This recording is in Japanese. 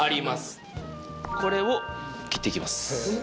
これを切っていきます